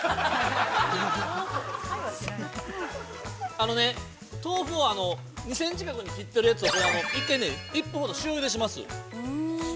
あのね、豆腐を２センチ角に切ってるやつを１分ほど塩ゆでします。